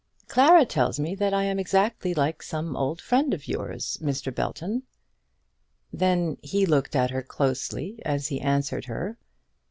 "Clara tells me that I am exactly like some old friend of yours, Mr. Belton." Then he looked at her closely as he answered her.